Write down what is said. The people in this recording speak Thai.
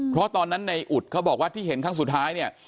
เพราะตอนนั้นในอุดเขาบอกว่าที่เห็นครั้งสุดท้ายเนี่ย